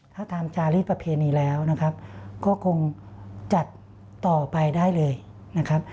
ถ้าตามจารีสประเพณีแล้วนะครับก็คงจัดต่อไปได้เลยนะครับ